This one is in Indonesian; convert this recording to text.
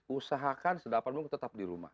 usahakan sedapapun tetap di rumah